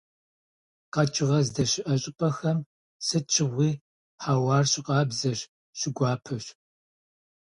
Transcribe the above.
КъэкӀыгъэ здэщыӀэ щӀыпӀэхэм сыт щыгъуи хьэуар щыкъабзэщ, щыгуапэщ.